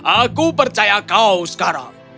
aku percaya kau sekarang